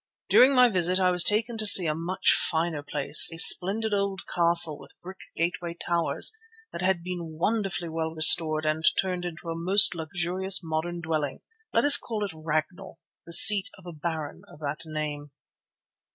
During my visit I was taken to see a much finer place, a splendid old castle with brick gateway towers, that had been wonderfully well restored and turned into a most luxurious modern dwelling. Let us call it "Ragnall," the seat of a baron of that name.